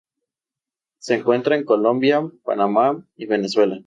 Se encuentra en Colombia, Panamá, y Venezuela.